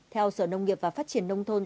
theo sở nông nghiệp và phát triển nông thôn